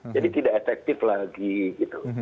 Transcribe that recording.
jadi tidak efektif lagi gitu